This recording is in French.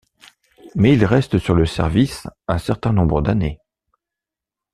Mais il reste sur le service un certain nombre d'années.